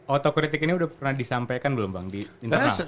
otokritik ini sudah pernah disampaikan belum bang di internal